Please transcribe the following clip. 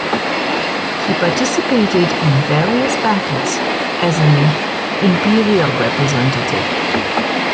He participated in various battles as an imperial representative.